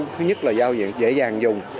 thứ nhất là giao diện dễ dàng dùng